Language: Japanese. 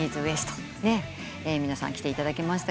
皆さん来ていただきました。